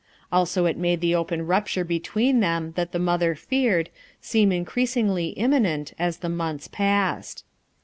Also it made the open rupture between them that the mother feared, seem increasingly im minent as the months passed.